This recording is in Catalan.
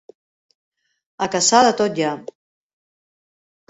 A Cassà, de tot hi ha.